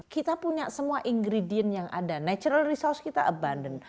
kita punya semua ingredient yang ada natural resource kita abundan